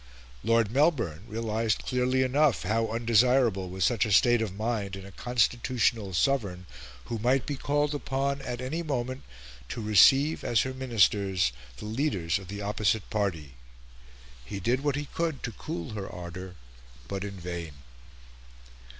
Lord Melbourne realised clearly enough how undesirable was such a state of mind in a constitutional sovereign who might be called upon at any moment to receive as her Ministers the leaders of the opposite party; he did what he could to cool her ardour; but in vain.